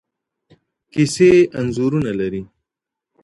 کیسې انځورونه لري.